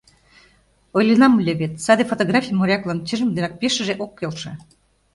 Ойленам ыле вет, саде фотографий моряклан чынжым денак пешыже ок келше.